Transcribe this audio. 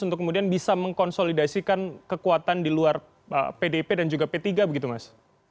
untuk kemudian bisa mengkonsolidasikan kekuatan di luar pdp dan juga p tiga begitu mas